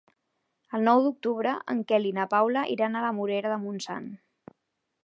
El nou d'octubre en Quel i na Paula iran a la Morera de Montsant.